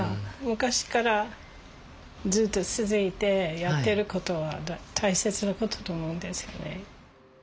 昔からずっと続いてやってる事は大切な事と思うんですよね。